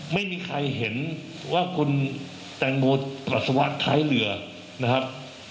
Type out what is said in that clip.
ไม่มีใครเห็นว่าคุณแตงโมปัสสาวะท้ายเรือนะครับ